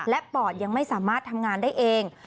และปอดยังไม่สามารถทำงานได้เอง